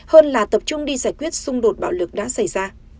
hơn là tập trung đi giải quyết xung đột bạo lực đã xảy ra